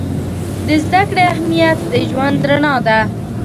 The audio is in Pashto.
د زده کړې اهمیت د ژوند رڼا ده.